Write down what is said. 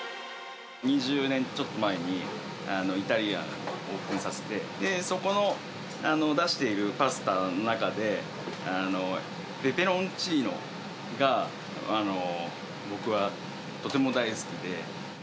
２０年ちょっと前にイタリアンをオープンさせて、そこの出しているパスタの中で、ペペロンチーノが僕はとても大好きで。